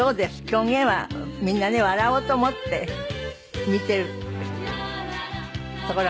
狂言はみんなね笑おうと思って見てるところがありますものね。